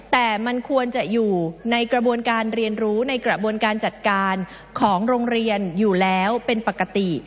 แต่มันควรจะอยู่ในกระบวนการเรียนรู้ในกระบวนการจัดการของโรงเรียนอยู่แล้วเป็นปกติ